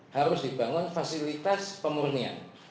harus dibangun fasilitas pemurnian